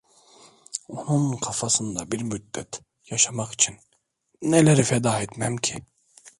Onun kafasında bir müddet yaşamak için neleri feda etmem ki?